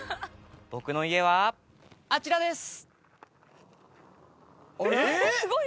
僕の家はあちらです！